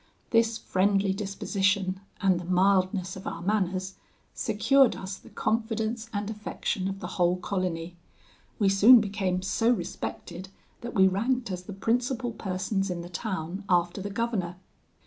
This friendly disposition, and the mildness of our manners, secured us the confidence and affection of the whole colony. We soon became so respected, that we ranked as the principal persons in the town after the governor.